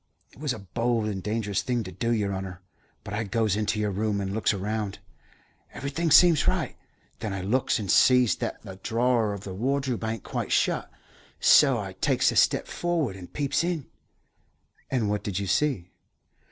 "It was a bold and dangerous thing to do, yer honour, but I goes into your room and looks around. Everything seems right. Then I looks and sees that the drawer of the wardrobe ain't quite shut, so I takes a step forward and peeps in." "And what did you see?"